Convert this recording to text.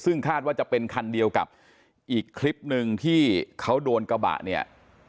ซึ่งคาดว่าจะเป็นคันเดียวกับอีกคลิปหนึ่งที่เขาโดนกระบะเนี่ย